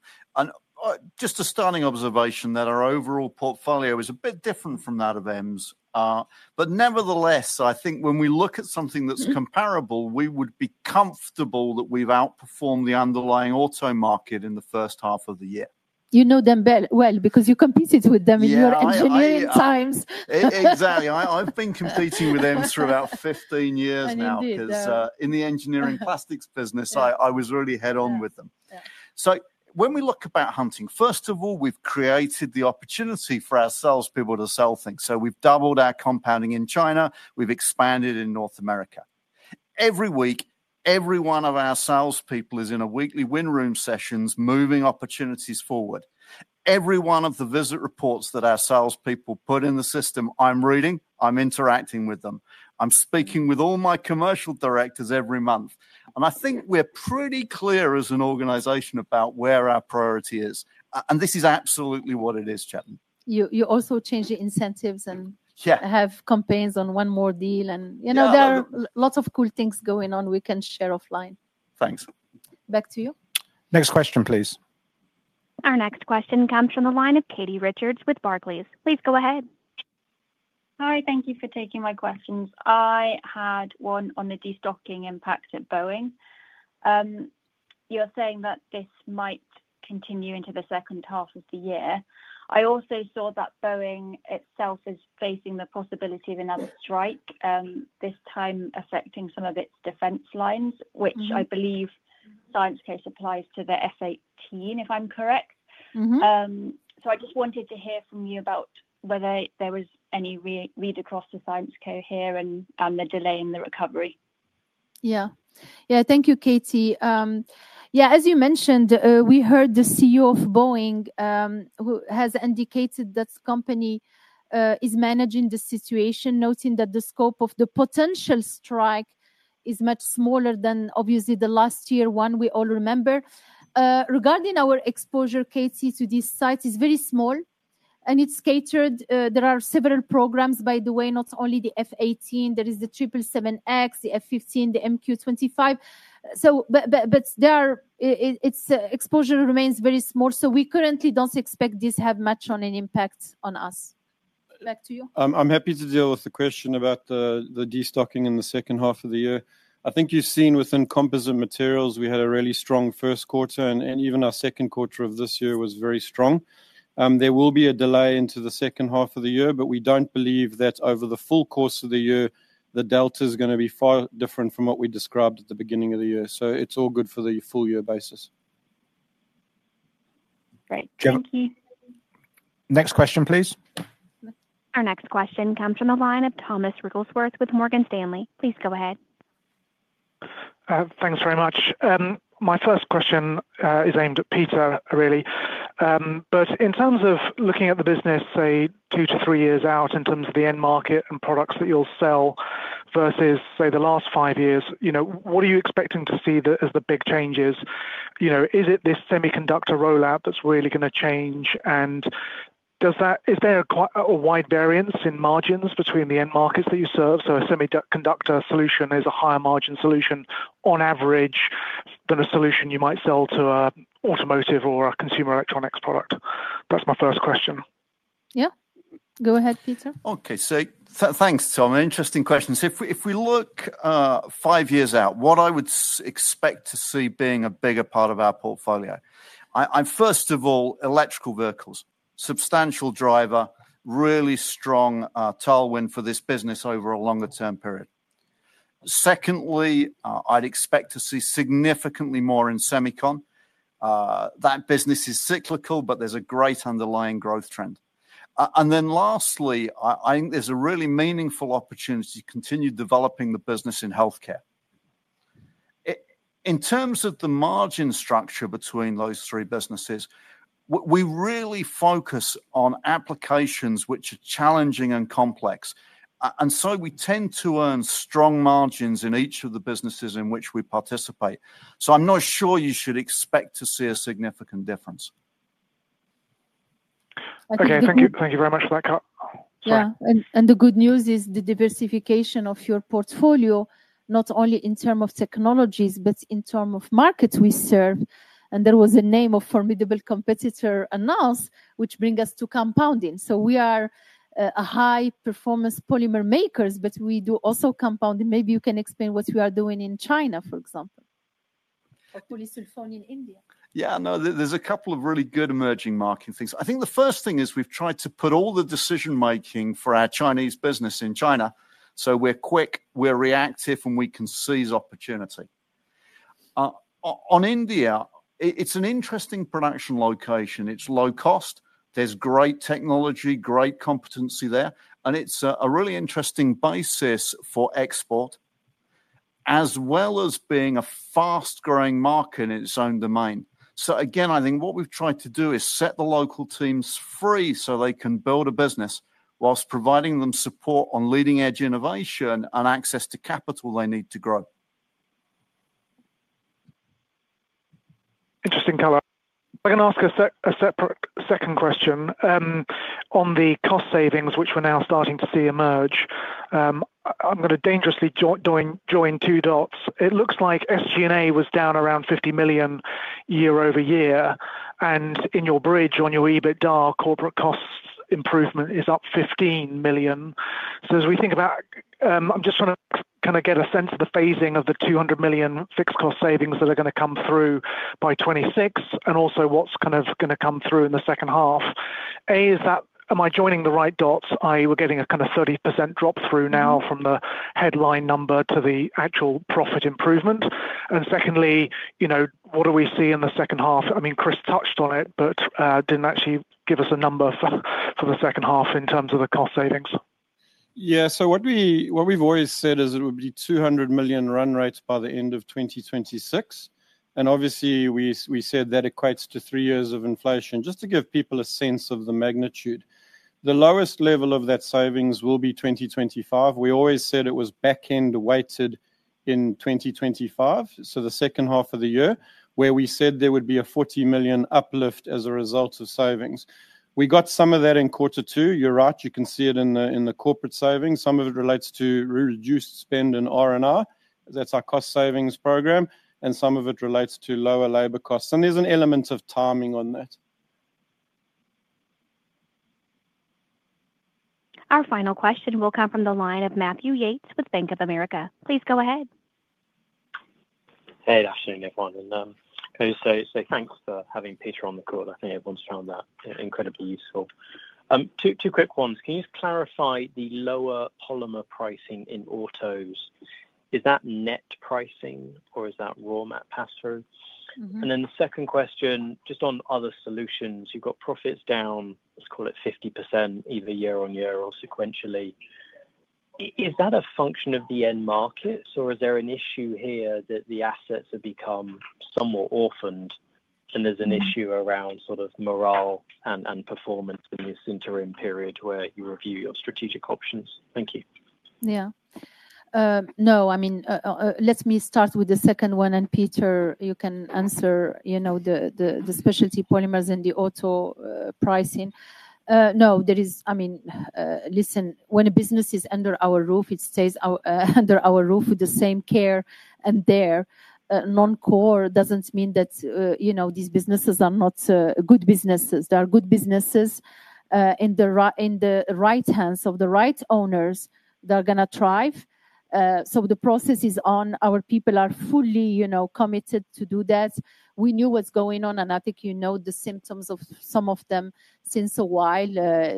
Just a starting observation that our overall portfolio is a bit different from that of EMS-Chemie, but nevertheless I think when we look at something that's comparable, we would be comfortable that we've outperformed the underlying auto market in the first half of the year. You know them well because you competed with them in your engineering times. Exactly. I've been competing with them for about 15 years now because in the engineering plastics business I was really head on with them. When we look about hunting, first of all we've created the opportunity for our salespeople to sell things. We've doubled our compounding in China, we've expanded in North America. Every week every one of our salespeople is in a weekly win room sessions moving opportunities forward. Every one of the visit reports that our salespeople put in the system, I'm reading, I'm interacting with them, I'm speaking with all my Commercial Directors every month and I think we're pretty clear as an organization about where our priority is and this is absolutely what it is. Chap. You also change the incentives and have campaigns on one more deal, and you know there are lots of cool things going on. We can share offline. Thanks. Back to you. Next question, please. Our next question comes from the line of Katie Richards with Barclays. Please go ahead. Hi. Thank you for taking my questions. I had one on the destocking impact at Boeing. You're saying that this might continue into the second half of the year. I also saw that Boeing itself is facing the possibility of another strike, this time affecting some of its defense lines which I believe Syensqo supplies to the F/A-18 if I'm correct. I just wanted to hear from you about whether there was any read across to Syensqo here and the delay in the recovery. Thank you, Katie. As you mentioned, we heard the CEO of Boeing who has indicated that company is managing the situation, noting that the scope of the potential strike is much smaller than obviously the last year one we all remember. Regarding our exposure, Katie, to this site is very small and it's catered. There are several programs by the way, not only the F/A-18, there is the 777X, the F15, and the MQ25. Its exposure remains very small. We currently don't expect this to have much of an impact on us. Back to you. I'm happy to deal with the question about the destocking in the second half of the year. I think you've seen within composite materials we had a really strong first quarter and even our second quarter of this year was very strong. There will be a delay into the second half of the year, but we don't believe that over the full course of the year the delta is going to be far different from what we described at the beginning of the year. It's all good for the full year basis. Great, thank you. Next question, please. Our next question comes from the line of Thomas Wrigglesworth with Morgan Stanley. Please go ahead. Thanks very much. My first question is aimed at Peter, really. In terms of looking at the business two to three years out in terms of the end market and products that you'll sell versus, say, the last five years, what are you expecting to see as the big changes? Is it this semiconductor rollout that's really going to change, and is there a wide variance in margins between the end markets that you serve? Is a semiconductor solution a higher margin solution on average than a solution you might sell to automotive or a consumer electronics product? That's my first question. Yeah, go ahead, Peter. Okay, thanks Tom. Interesting questions. If we look five years out, what I would expect to see being a bigger part of our portfolio. First of all, electrical vehicles, substantial driver, really strong tailwind for this business over a longer term period. Secondly, I'd expect to see significantly more in semicon. That business is cyclical, but there's a great underlying growth trend. Lastly, I think there's a really meaningful opportunity to continue developing the business in healthcare. In terms of the margin structure between those three businesses, we really focus on applications which are challenging and complex, and we tend to earn strong margins in each of the businesses in which we participate. I'm not sure you should expect to see a significant difference. Okay, thank you, thank you very much for that. The good news is the diversification of your portfolio not only in terms of technologies but in terms of markets we serve. There was a name of formidable competitor EMS-Chemie which brings us to compounding. We are high performance polymer makers but we do also compounding. Maybe you can explain what we are doing in China, for example, in India. Yeah, no, there's a couple of really good emerging market things. I think the first thing is we've tried to put all the decision making for our Chinese business in China, so we're quick, we're reactive, and we can seize opportunity. On India, it's an interesting production location, it's low cost, there's great technology, great competency there, and it's a really interesting basis for export as well as being a fast-growing market in its own domain. I think what we've tried to do is set the local teams free so they can build a business whilst providing them support on leading edge innovation and access to capital they need to grow. Interesting color. I can ask a separate second question on the cost savings which we're now starting to see emerge. I'm going to dangerously join two dots. It looks like SG&A was down around 50 million year over year and in your bridge on your EBITDA corporate costs improvement is up 15 million. As we think about, I'm just trying to kind of get a sense of the phasing of the 200 million fixed cost savings that are going to come through by 2026. Also, what's kind of going to come through in the second half, am I joining the right dots? That is, we're getting a kind of 30% drop through now from the headline number to the actual profit improvement. Secondly, you know, what do we see in the second half? I mean, Christopher Davis touched on it but didn't actually give us a number for the second half in terms of the cost savings. Yeah, so what we've always said is it would be 200 million run rate by the end of 2026. Obviously, we said that equates to three years of inflation. Just to give people a sense of the magnitude, the lowest level of that savings will be 2025. We always said it was back-end weighted in 2025. The second half of the year, where we said there would be a 40 million uplift as a result of savings, we got some of that in quarter two. You're right. You can see it in the corporate savings. Some of it relates to reduced spend in R&I, that's our cost savings program, and some of it relates to lower labor costs, and there's an element of timing on that. Our final question will come from the line of Matthew Yates with Bank of America. Please go ahead. Hey, afternoon everyone. Thanks for having Peter on the call. I think everyone's found that incredibly useful. Two quick ones. Can you clarify the lower polymer pricing in autos? Is that net pricing or is that raw mat pass through? The second question, just on Other Solutions, you've got profits down, let's call it 50% either year on year or sequentially. Is that a function of the end markets or is there an issue here that the assets have become somewhat orphaned? There's an issue around sort of morale and performance in this interim period where you review your strategic options. Thank you. Yeah, no, I mean let me start with the second one and Peter, you can answer. You know the Specialty Polymers and the auto pricing. No, there is, I mean listen, when a business is under our roof, it stays under our roof with the same care and there non core doesn't mean that, you know, these businesses are not good businesses. They are good businesses in the right hands of the right owners that are going to thrive. The process is on. Our people are fully, you know, committed to do that. We knew what's going on and I think you know the symptoms of some of them since a while.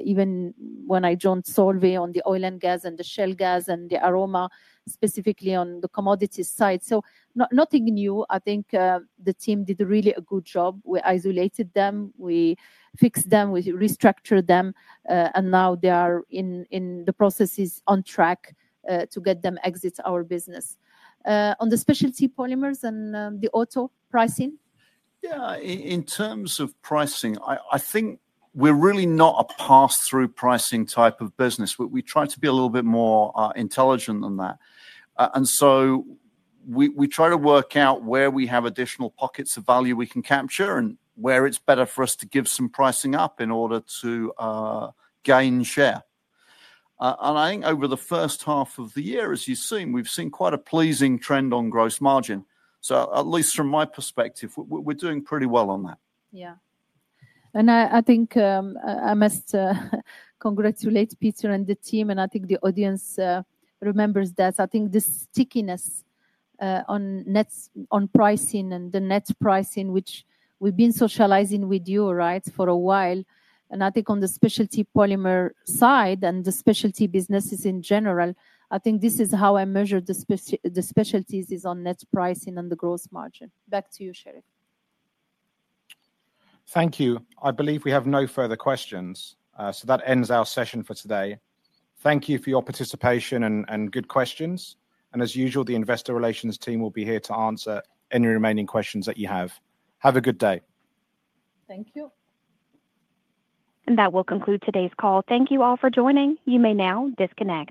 Even when I joined Solvay on the oil and gas and the shale gas and the aroma specifically on the commodities side. Nothing new. I think the team did really a good job. We isolated them, we fix them, we restructured them and now they are in the processes on track to get them exit our business on the Specialty Polymers and the auto pricing. Yeah, in terms of pricing, I think we're really not a pass-through pricing type of business. We try to be a little bit more intelligent than that, and we try to work out where we have additional pockets of value we can capture and where it's better for us to give some pricing up in order to gain share. I think over the first half of the year, as you've seen, we've seen quite a pleasing trend on gross margin. At least from my perspective, we're doing pretty well on that. I must congratulate Peter and the team, and I think the audience remembers that. The stickiness on nets, on pricing, and the net pricing, which we've been socializing with you for a while. On the specialty polymer side and the specialty businesses in general, this is how I measure the specialties, on net pricing and the gross margin. Back to you, Sherief. Thank you. I believe we have no further questions. That ends our session for today. Thank you for your participation and good questions. As usual, the Investor Relations team will be here to answer any remaining questions that you have. Have a good day. Thank you. That will conclude today's call. Thank you all for joining. You may now disconnect.